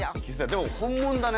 でも本物だね。